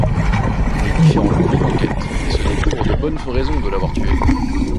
Les différents convives enquêtent, et se découvrent de bonnes raisons de l'avoir tué.